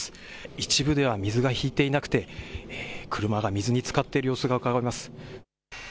一部では水が引いていなくて車が水につかっている様子がうかがえます。